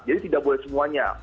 jadi tidak boleh semuanya